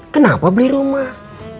kenapa beli rumah